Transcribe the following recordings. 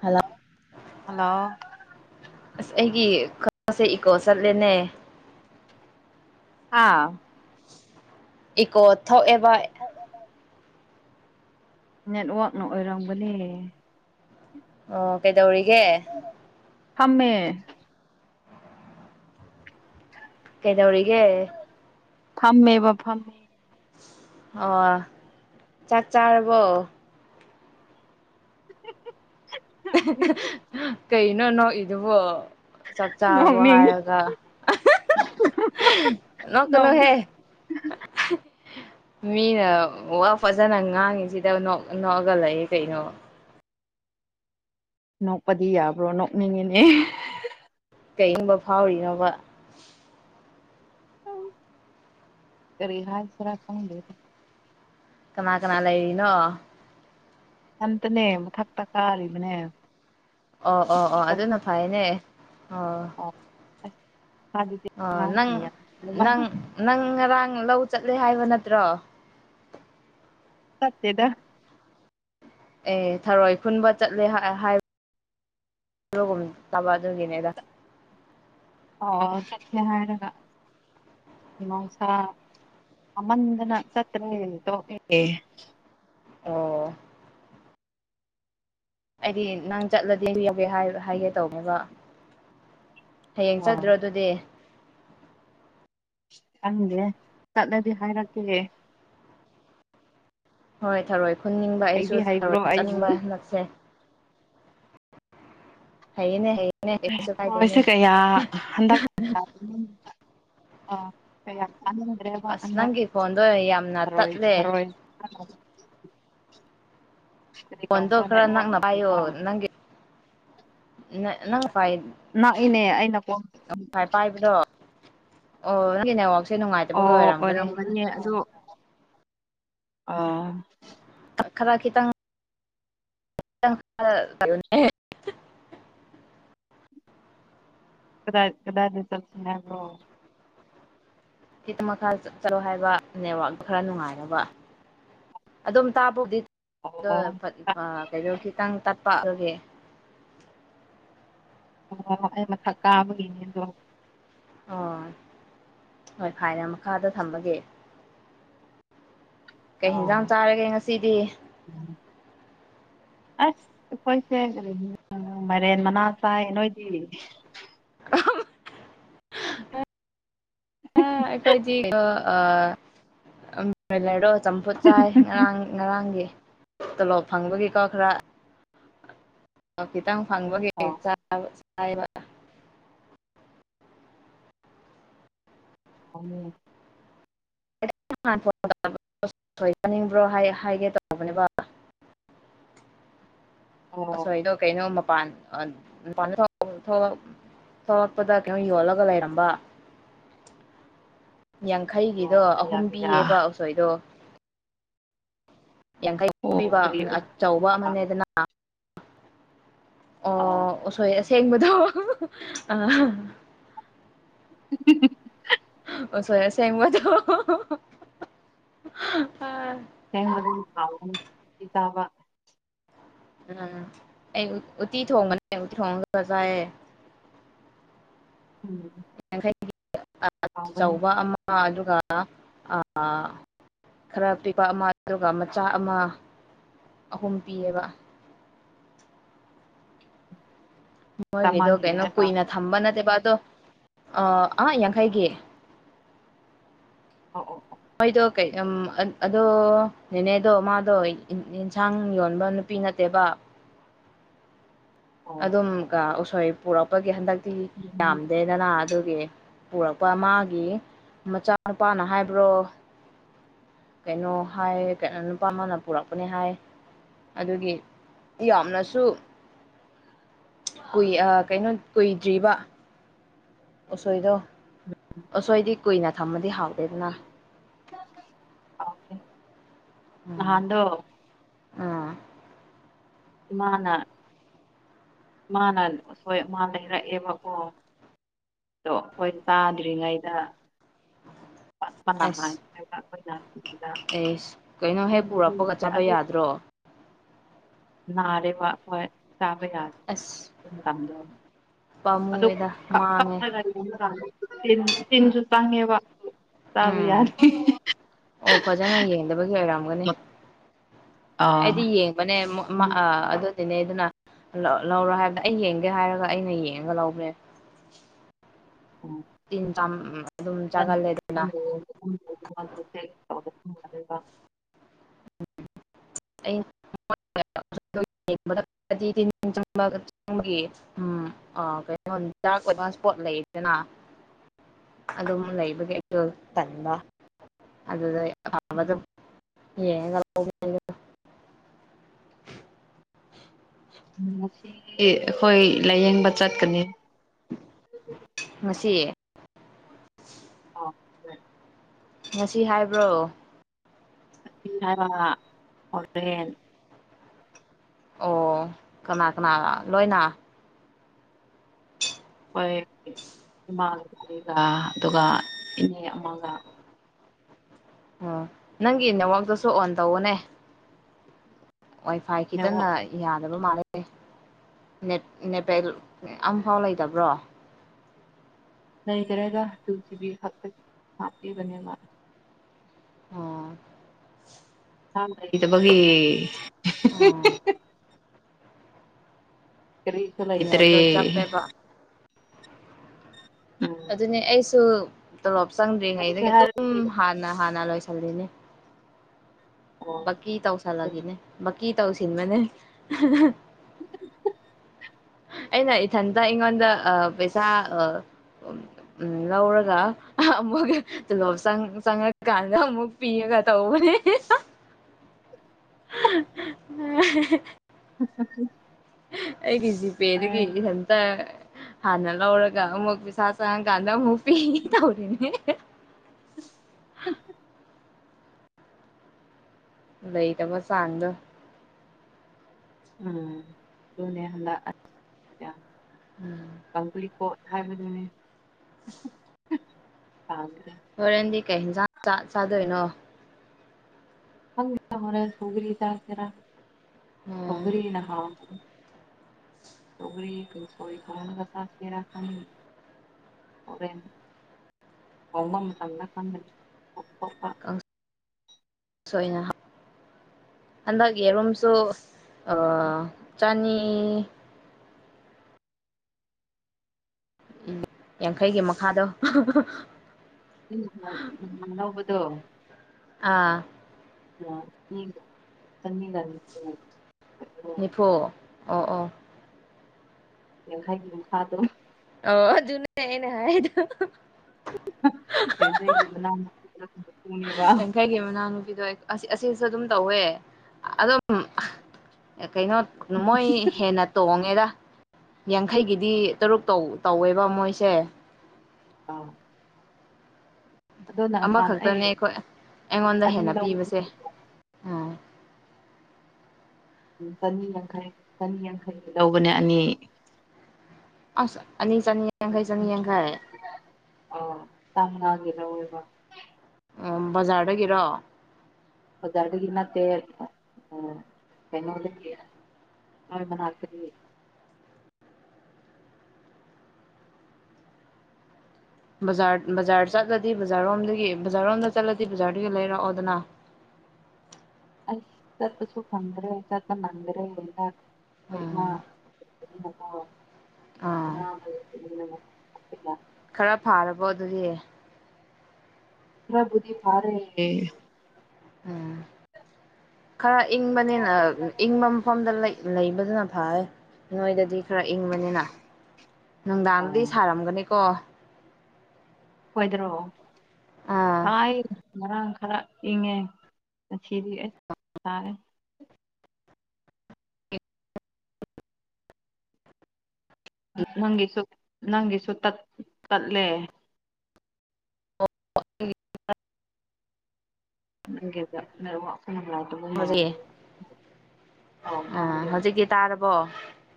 hello hello ꯑꯁ ꯑꯩꯒꯤ ꯈꯁꯦ [unintelligible] eco ꯆꯠꯂꯦꯅꯦ ꯍꯥ ꯏꯀꯣ ꯊꯣꯛꯑꯦꯕ ꯅꯦꯠꯋꯥꯛꯅ ꯑꯣꯏꯔꯝꯒꯅꯤ ꯑꯣ ꯀꯩꯗꯧꯔꯤꯒꯦ ꯐꯝꯃꯦ ꯀꯩꯗꯧꯔꯤꯒꯦ ꯐꯝꯃꯦꯕ ꯐꯝꯃꯦ ꯑꯣ ꯆꯥꯛ ꯆꯥꯔꯕꯣ [unintelligible] ꯀꯩꯅꯣ ꯅꯣꯛꯏꯗꯨꯕꯣ ꯆꯥꯛ ꯆꯥꯔꯕꯣ ꯅꯣꯛꯅꯤꯡ ꯍꯥꯏꯔꯒ ꯅꯣꯛꯒꯅꯨꯍꯦ ꯃꯤꯅ ꯋꯥ ꯐꯖꯅ ꯉꯥꯡꯉꯤꯁꯤꯗ ꯅꯣꯛꯑꯒ ꯂꯩ ꯀꯩꯅꯣ ꯅꯣꯛꯄꯗꯤ ꯌꯥꯕ꯭ꯔꯣ ꯅꯣꯛꯅꯤꯡꯉꯤꯅꯦ ꯀꯔꯤꯒꯨꯝꯕ ꯐꯥꯎꯔꯤꯅꯣꯕ ꯀꯔꯤ ꯍꯥꯢꯁꯤꯔ ꯈꯪꯗꯦꯗ ꯀꯅꯥ ꯀꯅꯥ ꯂꯩꯔꯤꯅꯣ ꯢꯊꯥꯟꯇꯅꯦ ꯃꯊꯛꯇ ꯀꯥꯔꯤꯕꯅꯦ ꯑꯣ ꯑꯣ ꯑꯣ ꯑꯗꯨꯅ ꯐꯩꯅꯦ ꯑꯣ ꯗꯤꯗꯤꯁꯤ ꯑꯣ ꯅꯪ ꯅꯪ [unintelligible] ꯅꯪ ꯉꯔꯥꯡ ꯂꯧ ꯆꯠꯂꯦ ꯍꯥꯏꯕ ꯅꯠꯇ꯭ꯔꯣ ꯆꯠꯇꯦꯗ ꯑꯦ ꯊꯔꯣꯏ ꯈꯨꯟꯕ ꯆꯠꯂꯦ ꯍꯥꯏꯕ ꯑꯗꯨꯒꯨꯝ ꯇꯧꯕ ꯑꯗꯨꯒꯤꯅꯦꯗ ꯑꯣ ꯆꯠꯁꯦ ꯍꯥꯏꯔꯒ [unintelligible] ꯁꯥꯃꯟꯗꯅ ꯆꯠꯇ꯭ꯔꯦ ꯇꯣꯛꯑꯦ ꯑꯣ ꯑꯩꯗꯤ ꯅꯪ ꯆꯠꯂꯗꯤ ꯑꯩꯖꯨ ꯌꯧꯒꯦ ꯍꯥꯏꯒꯦ ꯇꯧꯕꯅꯦꯕ ꯍꯌꯦꯡ ꯑꯣ ꯆꯗ꯭ꯔꯣ ꯑꯗꯨꯗꯤ ꯈꯪꯗꯦ ꯆꯠꯂꯗꯤ ꯍꯥꯏꯔꯛꯀꯦ ꯍꯣꯏ ꯊꯔꯣꯏ ꯈꯨꯟꯅꯤꯡꯕ ꯍꯩꯗꯤ ꯑꯩꯁꯨ ꯍꯩꯕ꯭ꯔꯣ ꯊꯔꯣꯏ ꯑꯩꯕꯨ ꯆꯠꯅꯤꯡꯕ ꯍꯟꯂꯛꯁꯦ ꯍꯩꯌꯦꯅꯦ ꯍꯩ ꯑꯦ [unintelligible] ꯀꯌꯥ ꯍꯟꯗꯛ [unintelligible] ꯑꯥ ꯀꯌꯥ ꯆꯥꯅꯤꯡꯗ꯭ꯔꯦꯕ ꯑꯁ ꯍꯟꯗꯛ ꯅꯪꯒꯤ ꯐꯣꯟꯗꯣ ꯌꯥꯝꯅ ꯊꯔꯣꯏ ꯇꯠꯂꯦ ꯊꯔꯣꯏ [unintelligible] ꯀꯔꯤ ꯐꯟꯗꯣ ꯇꯧꯕ꯭ꯔꯥ ꯈꯔ ꯅꯦꯠꯋꯥꯛ ꯅꯛꯅ ꯚꯥꯏꯌꯣ ꯑꯣꯏꯕ꯭ꯔꯥ ꯅꯪꯒꯤ ꯅꯛꯏꯅꯦ ꯑꯩꯅ ꯀꯣꯜ [inaudible] ꯑꯣ ꯅꯪꯒꯤ ꯅꯦꯋꯥꯛ ꯑꯣ ꯑꯣꯏꯔꯝꯒꯥꯅꯤ ꯑꯗꯣ ꯑꯥ ꯈꯔ ꯈꯤꯇꯪ [unintelligible] ꯀꯗꯥꯏ ꯀꯗꯥꯏꯗꯤ ꯆꯠꯁꯤ ꯍꯥꯏꯕ꯭ꯔꯣ ꯈꯤꯇꯪ ꯃꯈꯥ ꯆꯠꯂꯣ ꯍꯥꯏꯕ ꯅꯦꯠꯋꯥꯛ ꯈꯔ ꯅꯨꯡꯉꯥꯏꯔꯕ ꯑꯗꯨꯝ ꯇꯥꯕꯕꯨꯗꯤ ꯑꯗꯣ ꯑꯣ ꯀꯩꯅꯣ ꯈꯤꯇꯪ ꯇꯠꯄ ꯑꯗꯨꯒꯤ ꯑꯣ ꯑꯩ ꯃꯊꯛ ꯀꯥꯕꯒꯤꯅꯦ ꯑꯗꯣ ꯑꯣ ꯍꯣꯏ ꯐꯥꯏꯅ ꯃꯈꯥꯗ ꯊꯝꯃꯒꯦ [inaudible] ꯀꯩ ꯍꯤꯟꯖꯥꯡ ꯆꯥꯔꯒꯦ ꯉꯁꯤꯗꯤ [unintelligible] ꯑꯁ ꯑꯩꯈꯣꯏꯁꯦ ꯀꯔꯤ ꯃꯥꯏꯔꯦꯟ ꯃꯅꯥ ꯆꯥꯏ ꯅꯣꯏꯗꯤ [unintelligible] ꯑꯥ ꯑꯩꯈꯣꯏꯗꯤ ꯑꯥ ꯑꯥ ꯎꯝ [unintelligible] ꯆꯝꯐꯨꯠ ꯆꯥꯏ ꯉꯔꯥꯡ ꯉꯔꯥꯡꯗꯤ ꯇꯣꯂꯣꯞ ꯐꯪꯕꯒꯤꯀꯣ ꯈꯔ ꯈꯤꯇꯪ ꯐꯪꯕꯒꯤ ꯑꯣ ꯆꯥꯛ [unintelligible] ꯆꯥꯏꯑꯕ ꯍꯥꯎꯅꯦ [unintelligible] ꯆꯥꯅꯤꯡꯕ꯭ꯔꯣ ꯍꯥꯏ ꯍꯥꯏꯒꯦ ꯇꯧꯕꯅꯦꯕ ꯑꯣ ꯑꯁꯣꯏꯗꯣ ꯀꯩꯅꯣ ꯃꯄꯥꯟ ꯑꯟ ꯅꯨꯄꯥꯥꯟꯗ ꯊꯣꯛ ꯊꯣꯛꯂꯛ ꯊꯣꯛꯂꯛꯄꯗ ꯀꯩꯅꯣ ꯌꯣꯜꯂꯒ ꯂꯩꯔꯝꯕ [inaudible] ꯑꯣ ꯌꯥꯡꯈꯩꯒꯤꯗꯣ ꯀꯌꯥ ꯑꯍꯨꯝ ꯀꯌꯥ ꯄꯤꯌꯦꯕ ꯎꯁꯣꯏꯗꯣ ꯌꯥꯡꯈꯩ [unintelligible] ꯑꯣ ꯄꯤꯕ ꯀꯔꯤ ꯑꯆꯧꯕ ꯑꯃꯅꯦꯗꯅ ꯑꯥ ꯑꯣꯁꯣꯏ ꯑꯁꯦꯡꯕꯗꯣ ꯑꯥ [unintelligible] ꯑꯣꯁꯣꯏ ꯑꯁꯦꯡꯕꯗꯣ ꯎꯝ [unintelligible] ꯆꯥꯕ ꯎꯝ ꯑꯩ ꯎꯇꯤ ꯊꯣꯡꯕꯅꯦ ꯎꯇꯤ ꯊꯣꯡꯉꯒ ꯆꯥꯏꯌꯦ ꯎꯝ ꯌꯥꯡꯈꯩꯒꯤ ꯍꯥꯎꯕꯅꯤ ꯑꯆꯧꯕ ꯑꯃ ꯑꯗꯨꯒ ꯑꯥ ꯈꯔ ꯄꯤꯛꯄ ꯑꯃ ꯑꯗꯨꯒ ꯃꯆꯥ ꯑꯃ ꯑꯍꯨꯝ ꯄꯤꯌꯦꯕ ꯃꯣꯏꯒꯤꯗꯣ ꯆꯥꯝꯃꯒꯤ ꯀꯩꯅꯣ ꯍꯥꯏꯕ ꯀꯨꯏꯅ ꯊꯝꯕ ꯅꯠꯇꯦꯕ ꯑꯗꯣ ꯑꯥ ꯌꯥꯡꯈꯩꯒꯤ ꯑꯣ ꯑꯣ ꯑꯣ ꯑꯩꯗꯣ ꯀꯩꯅꯣ ꯎꯝ ꯑꯗꯣ ꯅꯦꯅꯦꯗꯣ ꯃꯥꯗꯣ ꯌꯦꯟꯁꯥꯡ ꯌꯣꯟꯕ ꯄꯤ ꯅꯠꯇꯦꯕ ꯑꯣ ꯑꯗꯨꯝꯒ ꯎꯁꯣꯏ ꯄꯨꯔꯛꯄꯒꯤ ꯍꯟꯗꯛꯇꯤ ꯎꯝ ꯄꯥꯝꯗꯦ ꯅꯅꯥ ꯑꯗꯨꯒꯤ ꯄꯨꯔꯛꯄ ꯃꯥꯒꯤ ꯃꯆꯥꯅꯨꯄꯥꯅ ꯍꯥꯏꯕ꯭ꯔꯣ ꯀꯩꯅꯣ ꯍꯥꯏ ꯅꯨꯄꯥ ꯑꯃꯅ ꯄꯨꯔꯛꯄꯅꯦ ꯍꯥꯏ ꯑꯗꯨꯒꯤ ꯌꯥꯝꯅꯁꯨ ꯀꯨꯏ ꯑꯥ ꯀꯩꯅꯣ ꯀꯨꯏꯗ꯭ꯔꯤꯕ ꯎꯁꯣꯏꯗꯣ ꯑꯁꯣꯏꯗꯤ ꯀꯨꯏꯅ ꯊꯝꯃꯗꯤ ꯍꯥꯎꯇꯦꯗꯅ [unintelligible] ꯎꯝ ꯅꯍꯥꯟꯗꯣ ꯑꯥ ꯏꯃꯥꯅ ꯏꯃꯥꯅ ꯑꯁꯣꯏ ꯃꯥ ꯂꯩꯔꯛꯑꯦꯕꯀꯣ ꯑꯗꯣ ꯑꯩꯈꯣꯏ ꯆꯥꯗ꯭ꯔꯤꯉꯩꯗ ꯀꯥꯅ ꯀꯥꯅ ꯑꯁ [unintelligible] ꯑꯩꯈꯣꯏꯅ ꯑꯦꯁ ꯀꯩꯅꯣ ꯍꯦꯛ ꯄꯨꯔꯛꯄꯒ ꯆꯥꯕ ꯑꯗꯨ ꯌꯥꯗ꯭ꯔꯣ ꯅꯔꯦꯕ ꯑꯩꯈꯣꯏ ꯆꯥꯕ ꯌꯥꯗꯦ ꯑꯁ ꯃꯇꯝꯗꯣ ꯄꯥꯝꯃꯨꯑꯦꯗ ꯃꯥꯡꯉꯦ [unintelligible] ꯇꯤꯟ ꯇꯤꯟꯁꯨ ꯆꯪꯉꯦꯕ ꯆꯥꯕ ꯎꯝ ꯌꯥꯗꯦ ꯑꯣ ꯐꯖꯅ ꯌꯦꯡꯗꯕꯒꯤ ꯑꯣꯏꯔꯝꯒꯅꯤ ꯑꯥ ꯑꯩꯗꯤ ꯌꯦꯡꯕꯅꯦ ꯑꯥ ꯃꯥ ꯑꯗꯨ [unintelligible] ꯂꯧꯔꯣ ꯍꯥꯏꯕꯗ ꯑꯩ ꯌꯦꯡꯒꯦ ꯍꯥꯏꯔꯒ ꯑꯩꯅ ꯌꯦꯡꯉꯒ ꯂꯧꯕꯅꯦ ꯎꯝ ꯇꯤꯟ ꯆꯝ ꯎꯝ ꯑꯗꯨꯝ ꯆꯥꯒꯜꯂꯦ ꯑꯗꯨꯅ [unintelligible] [inaudible] ꯑꯩ [inaudible] [inaudible] [inaudible] ꯇꯤꯟ ꯆꯪꯕꯒ ꯆꯪꯕꯒꯤ ꯎꯝ ꯑꯥ ꯀꯩꯅꯣ ꯗꯥꯔꯛ ꯑꯣꯏꯕ ꯏꯁꯄꯣꯠ ꯂꯩꯌꯦꯗꯅ ꯑꯗꯨꯝ ꯂꯩꯕꯒꯤ ꯑꯩꯗꯣ ꯇꯟꯕ ꯑꯗꯨꯗ ꯑꯐꯕꯗꯨ ꯌꯦꯡꯉꯒꯥ ꯉꯁꯤ ꯑꯩꯈꯣꯏ ꯂꯥꯏꯌꯦꯡꯕ ꯆꯠꯀꯅꯤ ꯉꯁꯤ ꯑꯣ ꯉꯁꯤ ꯍꯥꯏꯕ꯭ꯔꯣ [unintelligible] ꯍꯥꯏꯕ ꯍꯣꯔꯦꯜ ꯑꯣ ꯀꯅꯥ ꯀꯅꯥ ꯂꯣꯏꯅ ꯍꯣꯏ ꯏꯃꯥ [inaudible] ꯑꯗꯨꯒ ꯏꯅꯦ ꯑꯃꯒ ꯑꯣ ꯅꯪꯒꯤ ꯅꯦꯠꯋꯔꯇꯨꯁꯨ ꯑꯣꯟ ꯇꯧꯋꯣꯅꯦ ꯋꯥꯏꯐꯥꯏ ꯈꯤꯇꯪ ꯅꯦꯠꯋꯥꯛ ꯍꯥꯏ ꯌꯥꯗꯕ ꯃꯥꯜꯂꯦ ꯅꯦꯠ ꯅꯦꯠꯄꯦꯛ ꯑꯃꯝꯐꯥꯎ ꯂꯩꯇꯕ꯭ꯔꯣ ꯂꯩꯇ꯭ꯔꯦꯗ ꯇꯨꯖꯤꯕꯤ ꯈꯛꯇꯒꯤ ꯍꯥꯞꯄꯤꯕꯅꯦꯕ ꯑꯣ [unintelligible] ꯑꯣ ꯂꯩꯇꯕꯒꯤ ꯀꯔꯤꯁꯨ ꯂꯩꯇꯔꯦ ꯅꯦꯠꯇꯣ ꯆꯞꯄꯦꯕ ꯎꯝ ꯑꯗꯨꯅꯦ ꯑꯩꯁꯨ ꯇꯣꯂꯣꯞ ꯇꯧꯁꯦ ꯆꯪꯗ꯭ꯔꯤꯉꯩꯗꯒꯤ ꯑꯗꯨꯝ ꯍꯥꯏꯔꯗꯤ ꯍꯥꯟꯅ ꯍꯥꯟꯅ ꯂꯣꯏꯁꯤꯜꯂꯤꯅꯦ ꯑꯣ ꯕꯛꯀꯤ ꯑꯗꯨꯅꯦ ꯇꯧꯁꯜꯂꯒꯦꯅꯦ ꯕꯀꯤ ꯇꯧꯁꯤꯟꯕꯅꯦ [inaudible] ꯑꯩꯅ ꯏꯊꯟꯇ ꯑꯩꯉꯣꯟꯗ ꯑ ꯄꯩꯁꯥ ꯑ [inaudible] ꯂꯧꯔꯒ ꯑꯃꯨꯛ ꯇꯣꯂꯣꯞ ꯆꯪ ꯆꯪꯉꯛꯀꯥꯟꯗ ꯑꯃꯨꯛ ꯄꯤꯔꯒ ꯇꯧꯕꯅꯦ [unintelligible] [unintelligible] [unintelligible] ꯑꯩꯒꯤ ꯖꯤꯄꯦꯗꯒꯤ ꯏꯊꯟꯇ ꯍꯥꯟꯅ ꯂꯧꯔꯒ ꯑꯃꯨꯛ ꯄꯩꯁꯥ ꯆꯡꯀꯥꯟꯗ ꯑꯃꯨꯛ ꯄꯤꯒꯦ ꯇꯧꯔꯤꯅꯦ [unintelligible] ꯂꯩꯇꯕ ꯆꯥꯡꯗꯣ ꯎꯝ ꯑꯗꯨꯅꯦ ꯍꯟꯗꯛ ꯎꯝ [unintelligible] ꯀꯣꯠ ꯍꯥꯏꯕꯗꯨꯅꯤ [unintelligible] ꯍꯣꯔꯦꯟꯗꯤ ꯀꯩ ꯌꯦꯟꯖꯥꯡ ꯆꯥ ꯆꯥꯗꯣꯏꯅꯣ ꯈꯪꯗꯦꯗ ꯍꯣꯔꯦꯟ ꯁꯧꯒ꯭꯭ꯔꯤ ꯆꯥꯁꯤꯔ ꯎꯝ ꯁꯧꯒ꯭ꯔꯤꯅ ꯍꯥꯎꯒꯅꯤ ꯁꯧꯒ꯭ꯔꯤ ꯀꯡꯁꯣꯏ ꯊꯣꯡꯉꯒ ꯆꯥꯁꯤꯔꯥ ꯈꯪꯗꯦ ꯍꯣꯔꯦꯟ ꯊꯣꯡꯕ ꯃꯇꯝꯗ ꯈꯪꯒꯅꯤ ꯊꯣꯛ ꯊꯣꯛꯄꯥ ꯁꯣꯏꯅ ꯍꯟꯗꯛ ꯌꯦꯔꯨꯝꯁꯨ [unintelligible] ꯆꯥꯅꯤ ꯌꯥꯡꯈꯩꯒꯤ ꯃꯈꯥꯗꯣ ꯎꯝ ꯎꯝ ꯂꯧꯕꯗꯣ ꯑꯥ ꯑ ꯆꯅꯤꯒꯅꯤ ꯅꯤꯐꯨ ꯑꯣ ꯑꯣꯥ ꯌꯥꯡꯈꯩꯒꯤ ꯃꯈꯥ ꯗꯣ ꯑꯣ ꯑꯗꯨꯅꯦ ꯑꯩꯅ ꯍꯥꯏꯗꯣ [unintelligible] ꯌꯥꯡꯈꯩꯒꯤ ꯃꯅꯥꯎ ꯅꯨꯄꯤꯗꯣ ꯑꯁꯤ ꯑꯁꯤꯁꯨ ꯑꯗꯨꯝ ꯇꯧꯋꯦ ꯑꯗꯨꯝ ꯀꯩꯅꯣ ꯃꯣꯏ ꯍꯦꯟꯅ ꯇꯣꯡꯉꯦꯗ ꯌꯥꯡꯈꯩꯒꯤꯗꯤ ꯇꯔꯨꯛ ꯇꯧꯋꯦꯕ ꯃꯣꯏꯁꯦ ꯑꯥ ꯑꯗꯣ ꯅꯍꯥꯟ ꯑꯩ ꯑꯃꯈꯛꯇꯅꯦ ꯑꯩꯈꯣꯏ ꯑꯩꯉꯣꯟꯗ ꯑꯅꯤ ꯍꯦꯟꯅ ꯂꯧꯕꯅꯦ ꯄꯤꯕꯁꯦ ꯎꯝ ꯆꯅꯤ ꯌꯥꯡꯈꯩ ꯆꯅꯤ ꯌꯥꯡꯈꯩꯒꯤ ꯂꯧꯕꯅꯦ ꯑꯅꯤ ꯑꯁ ꯑꯅꯤ ꯆꯅꯤ ꯌꯥꯡꯈꯩ ꯆꯅꯤ ꯌꯥꯡꯈꯩ ꯑ ꯇꯝꯉꯥꯒꯤ ꯂꯧꯋꯕ ꯑꯣ ꯕꯖꯥꯔꯗꯒꯤꯔꯣ ꯕꯖ꯭ꯔꯗꯒꯤ ꯅꯠꯇꯦ ꯎꯝ ꯀꯩꯅꯣꯗꯒꯤ ꯅꯣꯏ ꯃꯅꯥꯛꯇꯒꯤ ꯕꯖꯥꯔ ꯕꯖꯥꯔ ꯆꯠꯂꯗꯤ ꯕꯖꯥꯔꯣꯝꯗꯒꯤ ꯕꯖꯥꯔꯣꯝꯗ ꯆꯠꯂꯗꯤ ꯕꯖꯥꯔꯗꯒꯤ ꯂꯩꯔꯛꯑꯣꯗꯅ ꯑꯁ ꯆꯠꯄꯁꯨ ꯐꯪꯗ꯭ꯔꯦ ꯆꯠꯄ ꯅꯪꯗ꯭ꯔꯦ ꯍꯣꯏ ꯎꯝ ꯏꯃ ꯑꯗꯨꯅꯀꯣ ꯑꯥ ꯑꯅꯥꯕꯅ [unintelligible] ꯈꯔ ꯐꯥꯔꯕꯣ ꯑꯗꯨꯗꯤ ꯈꯔꯕꯨꯗꯤ ꯐꯥꯔꯦꯌꯦ ꯎꯝ ꯈꯔ ꯈꯔ ꯏꯪꯕꯅꯤꯅ ꯏꯪꯕꯅꯤꯅ ꯏꯪꯕ ꯃꯐꯝꯗ ꯂꯩ ꯂꯩꯕꯗꯨꯅ ꯐꯔꯦ ꯅꯣꯏꯗꯗꯤ ꯈꯔ ꯏꯪꯕꯅꯤꯅ ꯑ ꯅꯨꯡꯗꯥꯡꯗꯗꯤ ꯁꯥꯔꯝꯒꯅꯤꯀꯣ ꯑꯩꯈꯣꯢꯗꯔꯣ ꯑꯥ ꯍꯥꯢ ꯃꯔꯥꯡ ꯈꯔ ꯏꯪꯉꯦ ꯉꯁꯤꯗꯤ ꯑꯩꯁ ꯁꯥꯔꯦ ꯅꯪꯒꯤꯁꯨ ꯅꯪꯒꯤꯁꯨ ꯇꯠ ꯇꯠꯂꯦ [unintelligible] ꯅꯦ ꯑꯗꯨꯔ ꯐ [unintelligible] ꯍꯧꯖꯤꯛ ꯑꯧ ꯎꯝ ꯇꯥꯔꯦ ꯍꯧꯖꯤꯛꯛꯇꯤ ꯇꯥꯔꯕꯣ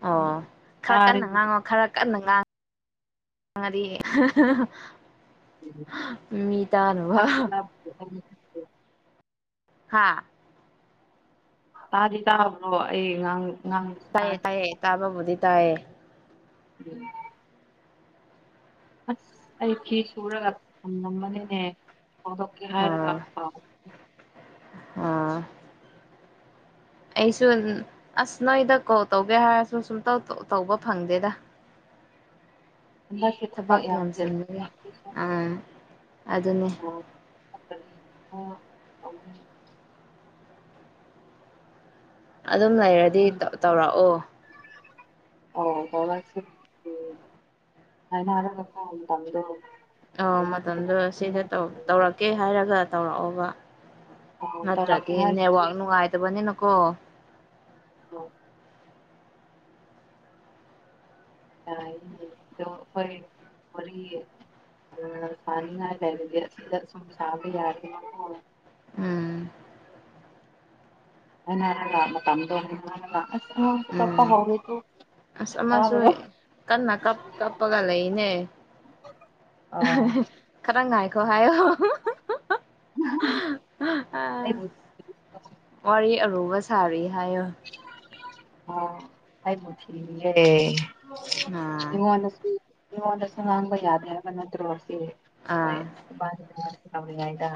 ꯑꯣ ꯈꯔ ꯇꯥꯔꯦ ꯀꯟꯅ ꯉꯥꯡꯉꯣ ꯈꯔ ꯀꯟꯅ ꯉꯥꯡ ꯃꯗꯤ ꯃꯤ ꯇꯥꯅꯕ ꯎꯝ [inaudible] ꯍꯥꯥ ꯇꯥꯗꯤ ꯇꯥꯕ꯭ꯔꯣ ꯑꯩ ꯉꯥꯡ ꯉꯥꯡ ꯇꯥꯏꯌꯦ ꯇꯥꯢꯌꯦ ꯇꯥꯕꯕꯨꯗꯤ ꯇꯥꯢꯌꯦ ꯎꯝ ꯑꯁ ꯑꯩ ꯐꯤ ꯁꯨꯔꯒ ꯊꯝꯂꯝꯕꯅꯤꯅꯦ ꯐꯥꯎꯗꯣꯛꯀꯦ ꯍꯥꯏꯔꯒ ꯀꯥꯎ ꯑꯝ ꯑꯩꯁꯨ ꯑꯁ ꯅꯣꯏꯗ ꯀꯣꯜ ꯇꯧꯒꯦ ꯍꯥꯏꯔꯁꯨ ꯁꯨꯝ ꯇꯧꯕ ꯐꯪꯗꯦꯗ ꯍꯟꯗꯀꯤ [unintelligible] ꯊꯕꯛ ꯌꯥꯝ ꯑꯥ ꯑꯗꯨꯅꯦ ꯁꯈꯔꯤ ꯇꯏ [inaudible] ꯑꯗꯨꯝ ꯂꯩꯔꯗꯤ ꯇꯧꯔꯛꯑꯣ ꯑꯣ ꯇꯧꯔꯛꯒꯦ ꯍꯥꯏꯔꯒꯣ ꯃꯇꯝꯗꯣ ꯑ ꯃꯇꯝꯗꯣ ꯁꯤꯗ ꯇꯧꯔꯛꯀꯦ ꯍꯥꯏꯔꯒ ꯇꯧꯔꯛꯑꯣꯕ ꯑꯧ ꯇꯧꯔꯛꯀꯦ ꯅꯠꯇ꯭ꯔꯗꯤ ꯍꯥꯏꯁꯤ ꯅ‌ꯦꯠꯋꯥꯛ ꯅꯨꯉꯥꯏꯇꯕꯅꯤꯅ ꯀꯣ ꯑꯣ ꯌꯥꯅꯦꯗꯣ ꯑꯩꯈꯣꯏ ꯃ [unintelligible] ꯁꯥꯅꯣꯡꯉꯥꯢ ꯂꯩꯔꯗꯤ ꯁꯤꯗ ꯑꯗꯨꯝ ꯁꯥꯕ ꯌꯥꯢꯗꯅꯒꯣ ꯎꯝ ꯑꯩꯅ ꯂꯥꯛ [unintelligible] ꯎꯝ ꯃꯇꯝꯗꯣꯄ ꯍꯧꯎ ꯑꯁ ꯑꯃꯁꯨ ꯀꯟꯅ ꯀꯞ ꯀꯞꯄꯒ ꯂꯩꯅꯦ ꯑꯧ ꯈꯔ ꯉꯥꯏꯈꯣ ꯍꯥꯏꯌꯣ ꯑꯩꯕꯨ ꯋꯥꯔꯤ ꯑꯔꯨꯕ ꯁꯥꯔꯤ ꯍꯥꯏꯌꯣ ꯑꯣ ꯑꯩꯕꯨ ꯊꯤꯔꯤꯌꯦ ꯑꯥ ꯃꯤꯉꯣꯟꯗꯁꯨ ꯃꯤꯉꯣꯟꯗꯁꯨ ꯉꯥꯡꯕ ꯌꯥꯗꯦ ꯍꯥꯏꯕ ꯅꯠꯇ꯭ꯔꯣꯁꯦ [inaudible] ꯑꯥ ꯍꯣꯏꯅꯤ ꯌꯥꯗ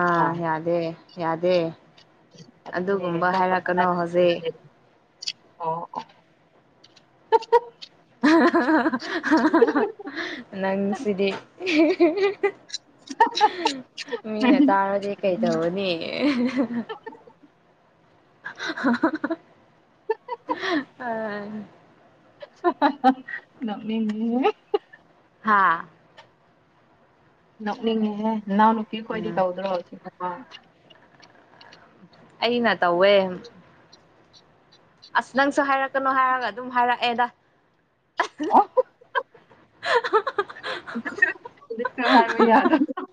ꯑꯥ ꯌꯥꯗꯦ ꯌꯥꯗꯦ ꯑꯗꯨꯅꯦ ꯑꯗꯨꯒꯨꯝꯕ ꯍꯥꯏꯔꯛꯀꯅꯣ ꯍꯧꯖꯤꯛ ꯑ‌ꯣ ꯑꯣ ꯅꯪꯁꯤꯗꯤ ꯃꯤꯅ ꯇꯥꯔꯗꯤ ꯀꯩꯗꯧꯔꯨꯅꯤ [unintelligible] ꯑ [unintelligible] ꯅ‌ꯣꯛꯅꯤꯡꯉꯦꯍꯦ ꯍꯥꯥ ꯅꯣꯛꯅꯤꯡꯉꯦꯍꯦ ꯅꯅꯥꯎ ꯅꯨꯄꯤ ꯈꯣꯏꯗꯤ ꯎꯝ ꯇꯧꯗ꯭ꯔꯣ ꯁꯤꯕꯣ ꯑꯩꯅ ꯇꯧꯋꯦ ꯑꯁ ꯅꯪꯁꯨ ꯍꯥꯏꯔꯛꯀꯅꯣ ꯍꯥꯏꯔꯒ ꯑꯗꯨꯝ ꯍꯥꯏꯔꯛꯑꯦꯗ ꯑꯣ ꯀ ꯍꯥꯏ ꯌꯥꯗꯕꯔ‌ꯣ [unintelligible]